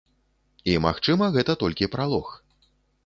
І магчыма гэта толькі пралог.